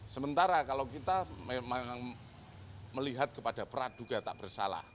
sementara kalau kita memang melihat kepada peraduga tak bersalah